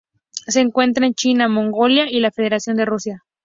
Se encuentra en China, Mongolia y la Federación de Rusia.